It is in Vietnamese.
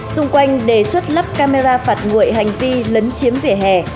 xung quanh đề xuất lắp camera phạt nguội hành vi lấn chiếm vỉa hè